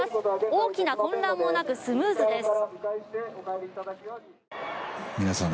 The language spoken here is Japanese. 大きな混乱もなくスムーズです。